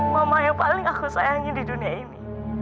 mama yang paling aku sayangin di dunia ini